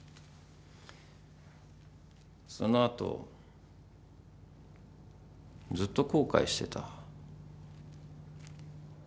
その後ずっと後悔してた。